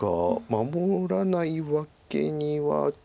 守らないわけには。